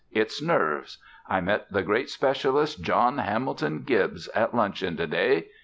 It's nerves. I met the great specialist, John Hamilton Gibbs, at luncheon to day.